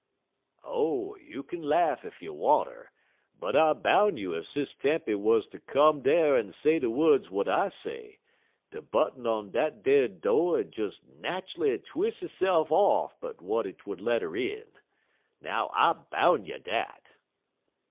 _' "Oh, you kin laugh ef you wanter, but I boun' you ef Sis Tempy wuz ter come dar en say de wuds w'at I say, de button on dat ar do' 'ud des nat'ally twis' hitse'f off but w'at 't would let 'er in. Now, I boun' you dat!"